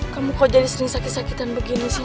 kamu kok jadi sering sakit sakitan begini sih